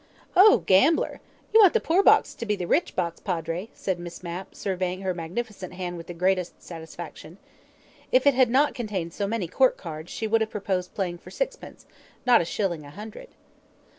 "Oh, gambler! You want the poor box to be the rich box, Padre," said Miss Mapp, surveying her magnificent hand with the greatest satisfaction. If it had not contained so many court cards, she would have proposed playing for sixpence, not a shilling a hundred.